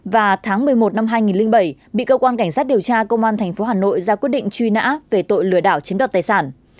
và tháng một mươi một năm hai nghìn bảy bị cơ quan cảnh sát điều tra công an tp hà nội ra quyết định truy nã về tội lừa đảo chiếm đoạt tài sản